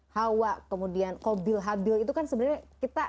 hawa kemudian kobil habil itu kan sebenarnya kita